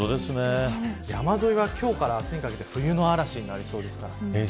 山沿いは今日から明日にかけて冬の嵐になりそうです。